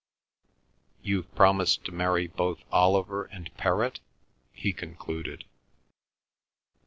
"You've promised to marry both Oliver and Perrott?" he concluded.